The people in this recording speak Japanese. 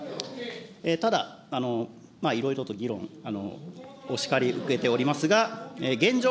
ただ、いろいろと議論、お叱り受けておりますが、現状